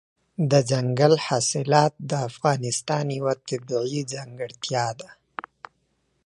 دځنګل حاصلات د افغانستان یوه طبیعي ځانګړتیا ده.